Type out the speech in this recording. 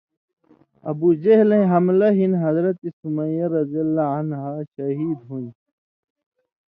ابوجہلَیں حملہ ہِن حضرت سمیہ رض شھید ہُون٘دیۡ؛